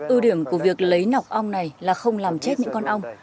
ưu điểm của việc lấy nọc ong này là không làm chết những con ong